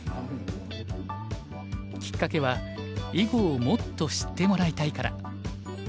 きっかけは囲碁をもっと知ってもらいたいから。